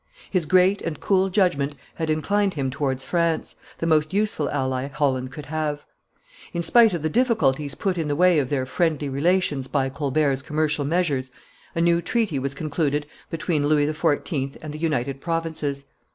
His great and cool judgment had inclined him towards France, the most useful ally Holland could have. In spite of the difficulties put in the way of their friendly relations by Colbert's commercial measures, a new treaty was concluded between Louis XIV. and the United Provinces.